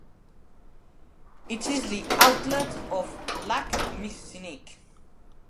It is the outlet of Lac Mistinic.